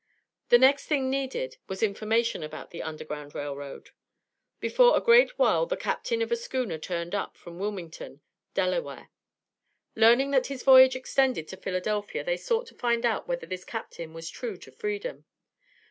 The next thing needed, was information about the Underground Rail Road. Before a great while the captain of a schooner turned up, from Wilmington, Delaware. Learning that his voyage extended to Philadelphia, they sought to find out whether this captain was true to Freedom.